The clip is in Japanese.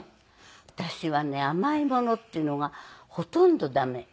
私はね甘いものっていうのがほとんど駄目。